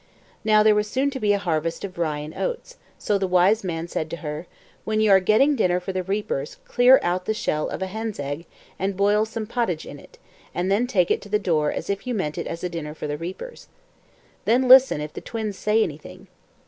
Now there was soon to be a harvest of rye and oats, so the Wise Man said to her, "When you are getting dinner for the reapers, clear out the shell of a hen's egg and boil some potage in it, and then take it to the door as if you meant it as a dinner for the reapers. Then listen if the twins say anything.